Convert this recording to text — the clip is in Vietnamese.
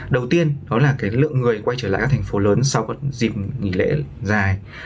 đầu tiên đó là lượng người quay trở lại các thành phố lớn sau các dịp nghỉ lễ dài